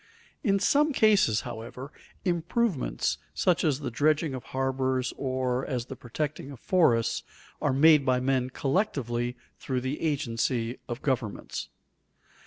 In some cases, however, improvements such as the dredging of harbors or as the protecting of forests, are made by men collectively through the agency of governments.